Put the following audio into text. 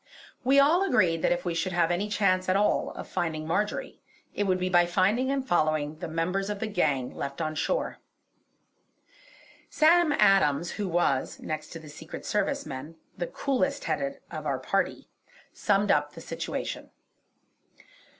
We all agreed that if we should have any chance at all of finding Marjory, it would be by finding and following the members of the gang left on shore. Sam Adams who was, next to the Secret Service men, the coolest headed of our party, summed up the situation.